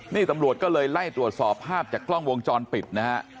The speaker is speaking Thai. นี่ตำรวจก็เลยไล่ตรวจสอบภาพจากกล้องวงจรปิดนะฮะ